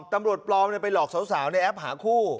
ตำรวจปลอมไปหลอกสาวในแอปหาคู่